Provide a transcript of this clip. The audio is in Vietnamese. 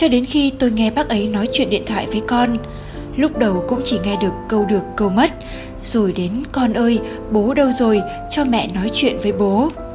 đến khi tôi nghe bác ấy nói chuyện điện thoại với con lúc đầu cũng chỉ nghe được câu được câu mất rồi đến con ơi bố đâu rồi cho mẹ nói chuyện với bố